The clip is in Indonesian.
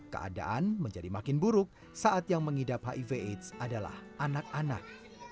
keadaan menjadi makin buruk saat yang mengidap hiv aids adalah anak anak